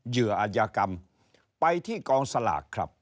เหลืออัญกรรมไปที่กองสลากครับ